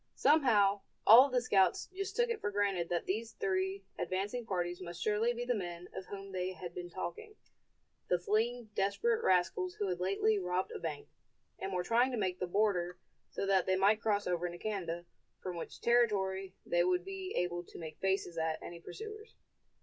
Somehow all of the scouts just took it for granted that these three advancing parties must surely be the men of whom they had been talking, the fleeing desperate rascals who had lately robbed a bank, and were trying to make the border so that they might cross over into Canada, from which territory they would be able to make faces at any pursuers.